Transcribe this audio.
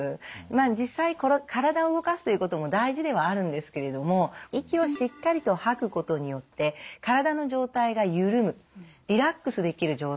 実際体を動かすということも大事ではあるんですけれども息をしっかりと吐くことによって体の状態が緩むリラックスできる状態